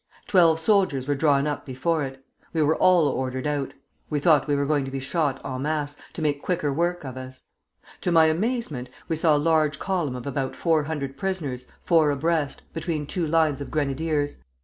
Twelve soldiers were drawn up before it. We were all ordered out. We thought we were going to be shot en masse, to make quicker work of us. To my amazement, we saw a large column of about four hundred prisoners, four abreast, between two lines of grenadiers.